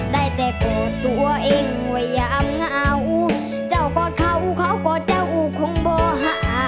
ได้แต่โกรธตัวเองไว้ยามเหงาเจ้าก็เข้าเข้าก็เจ้าคงบอก